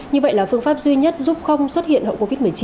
như vậy là phương pháp duy nhất giúp không xuất hiện hậu covid một mươi chín